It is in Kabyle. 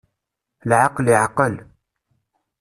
Lɛaqel iɛqel.